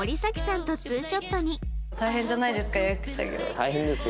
大変ですよ